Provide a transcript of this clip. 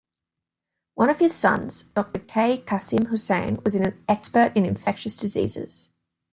One of his sons, Doctor K. Khasim Hussain was an expert in infectious diseases.